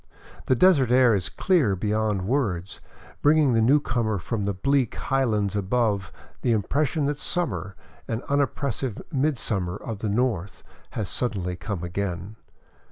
The desert air is clear beyond words, bringing the newcomer from the bleak high lands above the impression that summer, an unoppressive midsummer of the North, has suddenly come again.